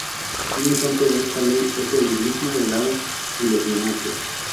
Un ejemplo de esta ley es el enigma del agua y los diamantes.